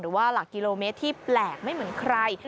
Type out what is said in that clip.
ว่าหลักกิโลเมตรที่แปลกไม่เหมือนใคร